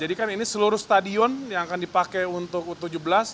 jadi kan ini seluruh stadion yang akan dipakai untuk u tujuh belas